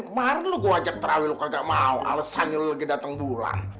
kemarin lo gua ajak terawih lo kagak mau alesannya lo lagi dateng bulan